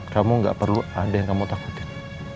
kamu gak perlu ada yang kamu takutin